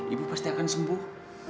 ibu pasti akan sembuh